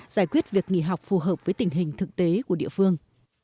giải quyết việc nghỉ học phù hợp với tình hình thực tế của địa phương